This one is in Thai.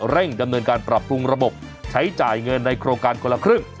เร่งดำเนินการปรับปรุงระบบใช้จ่ายเงินในโครงการคนละครึ่ง